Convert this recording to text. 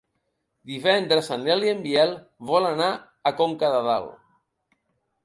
Divendres en Nel i en Biel volen anar a Conca de Dalt.